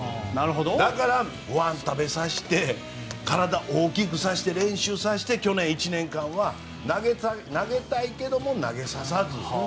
だから、ご飯を食べさせて体を大きくさせて練習させて去年１年間は投げたいけども投げさせず。